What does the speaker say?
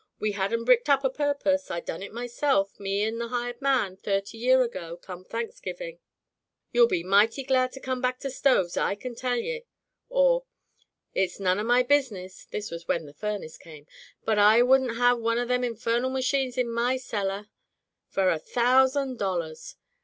We had 'em bricked up a purpose. I done it myself, me an' the hired man, thirty year ago, come Thanksgiving. You'll be mighty glad to come back to stoves, I can tell ye.' Or: 'It's none of my business' — this was when the furnace came — 'but I wouldn't have one o' them infernal machines in my cellar for a Digitized by LjOOQ IC Interventions thousand dollars.